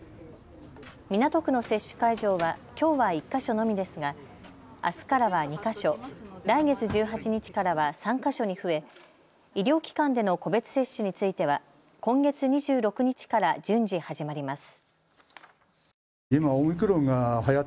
港区の接種会場はきょうは１か所のみですがあすからは２カ所、来月１８日からは３カ所に増え医療機関での個別接種については今月２６日から順次始まります。